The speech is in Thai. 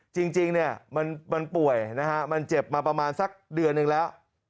จริงเนี่ยมันป่วยนะฮะมันเจ็บมาประมาณสักเดือนหนึ่งแล้ว